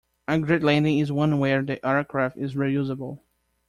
A great landing is one where the aircraft is reusable.